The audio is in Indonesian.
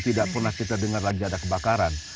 tidak pernah kita dengar lagi ada kebakaran